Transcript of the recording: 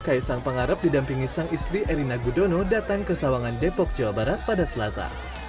kaisang pangarep didampingi sang istri erina gudono datang ke sawangan depok jawa barat pada selasa